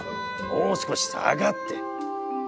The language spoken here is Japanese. もう少し下がって」。